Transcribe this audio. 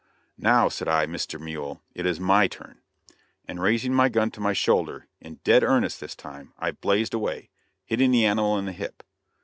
"Now," said I, "Mr. Mule, it is my turn," and raising my gun to my shoulder, in "dead earnest" this time, I blazed away, hitting the animal in the hip.